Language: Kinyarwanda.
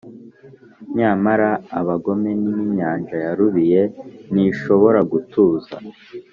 “nyamara abagome ni nk’inyanja yarubiye, ntishobora gutuza,